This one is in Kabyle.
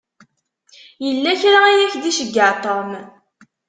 Yella kra i ak-d-iceyyeɛ Tom.